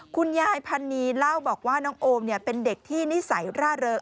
คุณยายพันนีเล่าบอกว่าน้องโอมเป็นเด็กที่นิสัยร่าเริง